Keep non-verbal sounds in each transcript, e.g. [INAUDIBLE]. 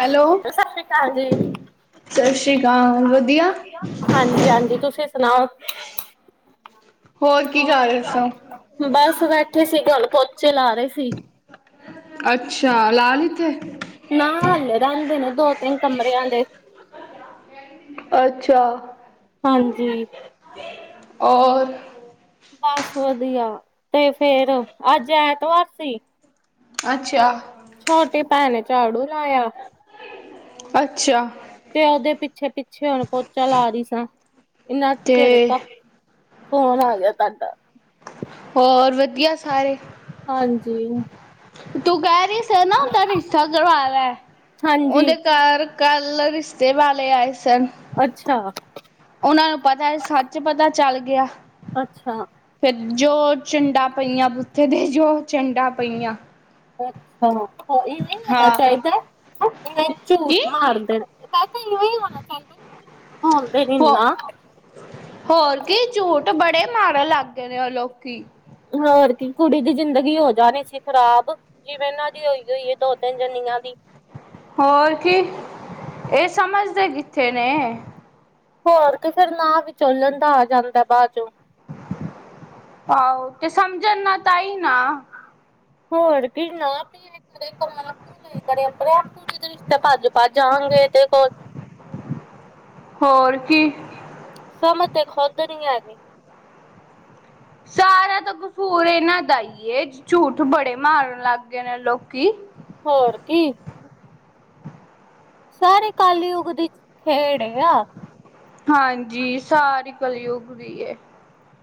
Hello ਔ sorry ਪੈਣਜੀ। [UNINTELLIGIBLE] ਸਤਿ ਸ੍ਰੀ ਅਕਾਲ ਵਧੀਆ ਹਾਂਜੀ, ਹਾਂਜੀ ਤੁਸੀਂ ਸੁਣਾਓ? ਹੋਰ, ਕੀ ਕਰ ਰੇ ਸੋ? ਬਸ, ਬੈਠੇ ਸੀਗੇ ਹੁਣ ਪੋਚੇ ਲਾ ਰਏ ਸੀ। ਅੱਛਾ, ਲਾ ਲਿਤੇ? ਨਾ, ਹਲੇ ਰੈੰਦੇ ਨੇ ਦੋ, ਤਿੰਨ ਕਮਰਿਆਂ ਦੇ। ਅੱਛਾ, ਹਾਂਜੀ ਔਰ? ਬਸ ਵਧੀਆ ਤੇ ਫੇਰ ਅੱਜ ਐਤਵਾਰ ਸੀ। ਅੱਛਾ। ਛੋਟੀ ਭੈਣ ਨੇ ਝਾੜੂ ਲਾਇਆ। ਅੱਛਾ! ਮੈਂ ਉਹਦੇ ਪਿੱਛੇ-ਪਿੱਛੇ ਹੁਣ ਪੋਚਾ ਲਾ ਰਹੀ ਸਾਂ, ਇੰਨਾ ਤੇ ਚਿਰ ਤ ਫੋਨ ਆ ਗਿਆ, ਤਾਡ ਹੋਰ ਵਧੀਆ ਸਾਰੇ? ਹਾਂਜੀ ਤੂੰ ਕਹਿ ਰਹੀ ਸ ਨਾ ਉਹਦਾ ਰਿਸ਼ਤਾ ਕਰਵਾ ਲ ਹਾਂਜੀ ਉਹਦੇ ਘਰ। ਕੱਲ੍ਹ ਰਿਸ਼ਤੇ ਵਾਲੇ ਆਏ ਸਨ। ਅੱਛਾ ਉਹਨਾਂ ਨੂੰ ਪਤਾ ਏ ਸੱਚ ਪਤਾ ਚੱਲ ਗਿਆ ਅੱਛਾ ਫਿਰ ਜੋ ਚੰਡਾਂ ਪਈਆਂ ਬੁੱਥੇ ਤੇ ਜੋ ਚੰਡਾਂ ਪਈਆਂ। ਅੱਛਾ ਇਵੇਂ ਹੋਣਾ ਹਾਂ ਚਾਹੀਦਾ ਇਵੇਂ ਝੂਠ ਕੀ ਮਾਰਦੇ ਨੇ ਵੈਸੇ ਇਹੋ ਹੀ ਹੋਣਾ ਚਾਹੀਦਾ ਝੂਠ ਬੋਲਦੇ ਨਹੀਂ ਹੋ ਨਾ ਹੋਰ ਕੀ ਝੂਠ ਬੜੇ ਮਾਰਨ ਲੱਗ ਗਏ ਨੇ ਉਹ ਲੋਕੀ ਹੋਰ ਕੀ ਕੁੜੀ ਦੀ ਜ਼ਿੰਦਗੀ ਹੋ ਜਾਣੀ ਸੀ ਖ਼ਰਾਬ ਜਿਵੇਂ ਇਹਨਾਂ ਦੀ ਹੋਈ ਹੋਈ ਹੈ ਦੋ ਤਿੰਨ ਜਨੀਆਂ ਦੀ ਹੋਰ ਕੀ ਇਹ ਸਮਝਦੇ ਕਿੱਥੇ ਨੇ। ਹੋਰ ਕੇ ਫਿਰ ਨਾ ਵਿਚੋਲਣ ਦਾ ਆ ਜਾਂਦਾ ਬਾਦ ਚੋਂ ਆਉ ਤੇ ਸਮਝਣ ਨਾ ਤਾਈ ਨਾ ਹੋਰ ਕੀ ਨਾ [UNINTELLIGIBLE] [UNINTELLIGIBLE] ਰਿਸ਼ਤੇ ਭੱਜ ਭੱਜ ਆਨਗੇ ਏਦੇ ਕੋਲ ਹੋਰ ਕੀ ਸਮਝ ਤੇ ਖੁਦ ਨਹੀਂ ਹੈਗੀ। ਸਾਰਾ ਤਾਂ ਕਸੂਰ ਇਹਨਾਂ ਦਾ ਈ ਝੂਠ ਬੜੇ ਮਾਰਨ ਲੱਗ ਗਏ ਨੇ ਲੋਕੀ ਹੋਰ ਕੀ ਸਾਰੀ ਕਲਯੁਗ ਦੀ ਖੇਡ ਹ ਆ ਹਾਂਜੀ ਸਾਰੀ ਕਲੀ ਉਗ ਗਈ ਏ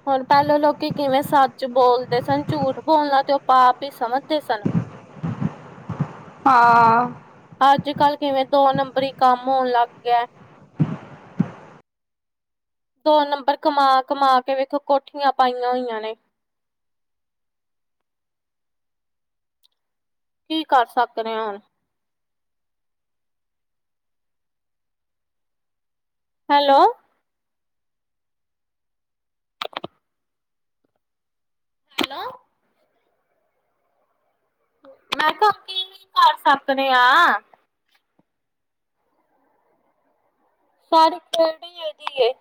ਹੁਣ ਪਹਿਲਾਂ ਲੋਕੀ ਕਿਵੇਂ ਸੱਚ ਬੋਲਦੇ ਸਨ ਝੂਠ ਬੋਲਣਾ ਤੇ ਉਹ ਪਾਪ ਹੀ ਸਮਝਦੇ ਸਨ। ਹਾਂ। ਅੱਜ ਕਲ ਕਿਵੇਂ ਦੋ ਨੰਬਰੀ ਕੰਮ ਹੋਣ ਲੱਗ ਗਿਆ। ਦੋ ਨੰਬਰ ਕਮਾ ਕਮਾ ਕੇ ਵੇਖਿਓ ਕੋਠੀਆਂ ਪਾਈਆਂ ਹੋਈਆਂ ਨੇ ਕੀ ਕਰ ਸਕਣੇ ਹੈ ਹੁਣ ਹੈਲੋ ਹਨਾ। [UNINTELLIGIBLE] ਮੈਂ ਕਿਹਾ ਹੁਣ ਕੀ ਵੀ ਕਰ ਸਕਦੇ ਆਂ। ਸਾਰੀ ਕਿਹੜੀ [UNINTELLIGIBLE] ਇਹਦੀ ਏ